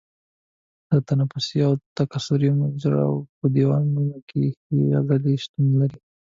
د تنفسي او تکثري مجراوو په دیوالونو کې ښویې عضلې شتون لري.